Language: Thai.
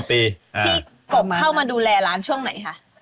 ที่กบเข้ามาดูแลร้านช่วงไหนคะ